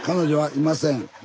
「いません」